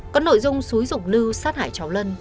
có nội dung xúi dục lưu sát hại cháu lân